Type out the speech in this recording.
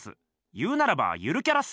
言うならばゆるキャラっす。